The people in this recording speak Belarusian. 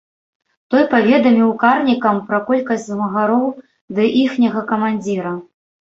Той паведаміў карнікам пра колькасць змагароў ды іхняга камандзіра.